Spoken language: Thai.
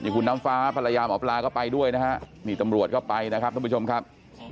คุณน้ำฟ้าภรรยาหมอปลาก็ไปด้วยนะฮะนี่ตำรวจก็ไปนะครับท่านผู้ชมครับ